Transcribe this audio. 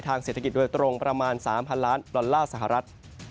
เศรษฐกิจโดยตรงประมาณ๓๐๐ล้านดอลลาร์สหรัฐ